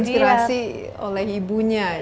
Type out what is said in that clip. jadi terinspirasi oleh ibunya ya